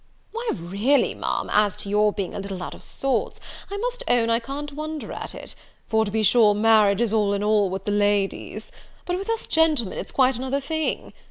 "Why, really, Ma'am, as to your being a little out of sorts, I must own I can't wonder at it; for, to be sure, marriage is all in all with the ladies; but with us gentlemen it's quite another thing!